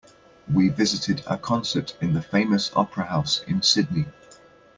We visited a concert in the famous opera house in Sydney.